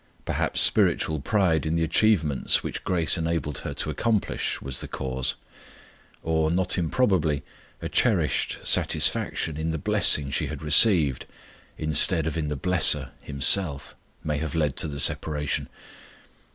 Perhaps spiritual pride in the achievements which grace enabled her to accomplish was the cause; or, not improbably, a cherished satisfaction in the blessing she had received, instead of in the BLESSER Himself, may have led to the separation.